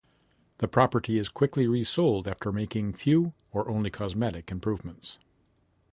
The property is quickly resold after making few, or only cosmetic, improvements.